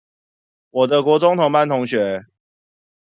我的國中同班同學